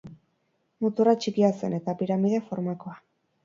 Muturra txikia zen, eta piramide formakoa.